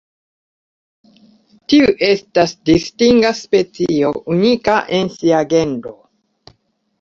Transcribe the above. Tiu estas distinga specio, unika en sia genro.